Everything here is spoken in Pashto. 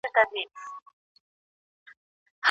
دوی د زده کړې د زمينې د برابرولو هڅه کوله.